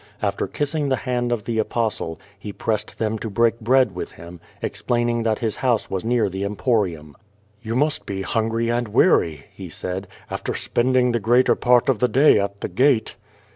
After kissing the hand of the Apostle, he pressed them to break bread with him, explaining that his house was near the Emporium. "You must be hungry and weary,*' he said, ^^after spending the gi'eater part of the day at the gate."